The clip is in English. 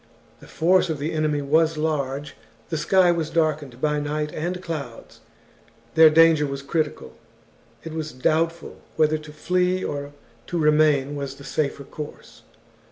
The force of the enemy was large, the sky was darkened by night and clouds, their danger was critical, it was doubtful whether to flee or to remain was the safer course.